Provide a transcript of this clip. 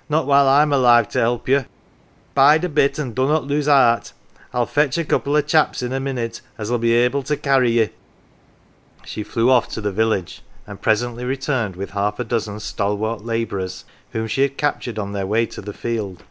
" Not while I'm alive to help you. Bide a bit an 1 dunnot lose "cart. I'll fetch a couple o' chaps in a minute as'll be able to carry ye." She flew off to the village, and presently returned with half a dozen stalwart labourers whom she had captured on their way to the field.